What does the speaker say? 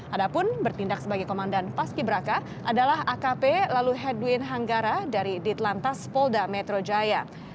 adapun bertindak sebagai komandan paski braka adalah akp lalu hedwin hanggara dari ditlantas polda metro jaya